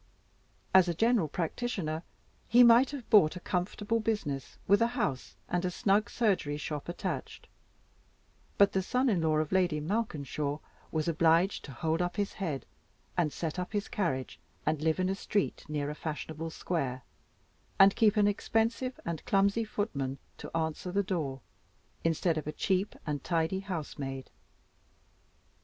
As a general practitioner, he might have bought a comfortable business, with a house and snug surgery shop attached; but the son in law of Lady Malkinshaw was obliged to hold up his head, and set up his carriage, and live in a street near a fashionable square, and keep an expensive and clumsy footman to answer the door, instead of a cheap and tidy housemaid.